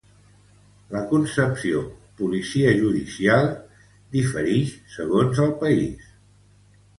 La concepció policia judicial diferix segons el país.